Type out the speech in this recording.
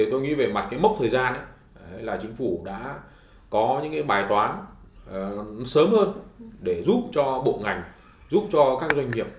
tôi nghĩ về mặt cái mốc thời gian là chính phủ đã có những bài toán sớm hơn để giúp cho bộ ngành giúp cho các doanh nghiệp